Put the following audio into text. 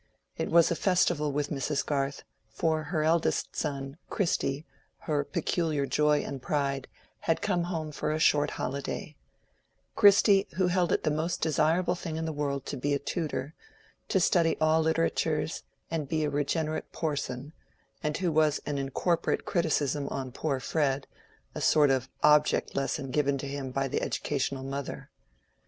It was a festival with Mrs. Garth, for her eldest son, Christy, her peculiar joy and pride, had come home for a short holiday—Christy, who held it the most desirable thing in the world to be a tutor, to study all literatures and be a regenerate Porson, and who was an incorporate criticism on poor Fred, a sort of object lesson given to him by the educational mother.